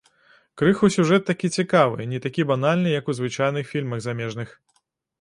Крыху сюжэт такі цікавы, не такі банальны, як у звычайных фільмах замежных.